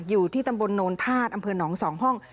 อยู่ที่ตำบลโนนธาตุอำเภอหนอง๒ห้อง